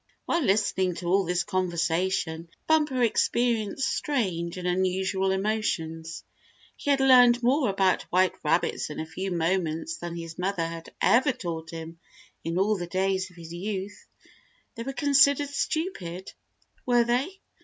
While listening to all this conversation, Bumper experienced strange and unusual emotions. He had learned more about white rabbits in a few moments than his mother had ever taught him in all the days of his youth. They were considered stupid, were they?